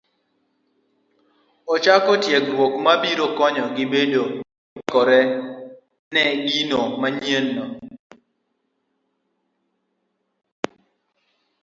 ochak tiegruok mabiro konyogi bedo moikore ne gino manyienno.